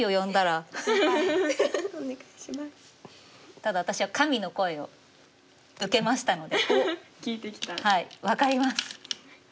ただ私は神の声を受けましたので分かります。